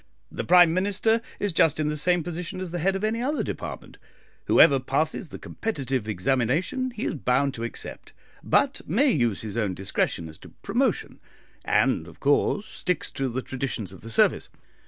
The Prime Minister is just in the same position as the head of any other department, whoever passes the competitive examination he is bound to accept, but may use his own discretion as to promotion, and, of course, sticks to the traditions of the service.